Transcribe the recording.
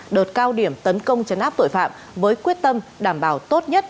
đợt cao điểm tấn công chấn áp tội phạm với quyết tâm đảm bảo tốt nhất